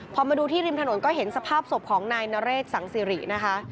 พอมาดูที่ริมถนนก็เห็นสภาพศพของนายนเรศสังสิรินะคะ